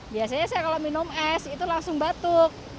biasanya saya kalau minum es itu langsung batuk